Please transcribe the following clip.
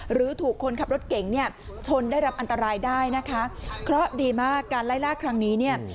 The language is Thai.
หรือถูกคนขับรถเก่งเนี่ยชนได้รับอันตรายได้นะคะเพราะดีมากการไล่ล่าครั้งนี้เนี่ย